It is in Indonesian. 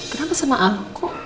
kenapa sama aku